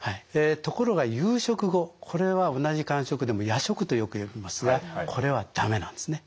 ところが夕食後これは同じ間食でも夜食とよく呼びますがこれは駄目なんですね。